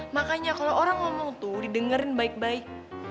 makanya kalau orang ngomong tuh didengerin baik baik